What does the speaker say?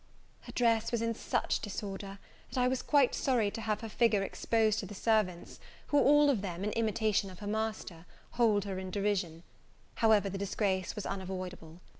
Her dress was in such disorder, that I was quite sorry to have her figure exposed to the servants, who all of them, in imitation of her master, hold her in derision: however the disgrace was unavoidable.